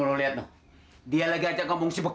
lo liat dia lagi ajak ngomong si beken